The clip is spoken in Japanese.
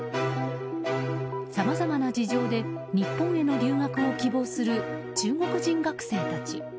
さまざまな事情で日本への留学を希望する中国人学生たち。